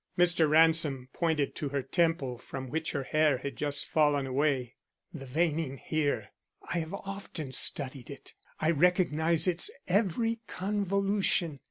Mr. Ransom pointed to her temple from which her hair had just fallen away. "The veining here. I have often studied it. I recognize its every convolution.